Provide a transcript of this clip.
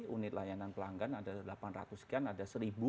unit layanan pelanggan ada delapan ratus sekian ada seribu